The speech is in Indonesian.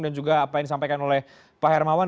dan juga apa yang disampaikan oleh pak hermawan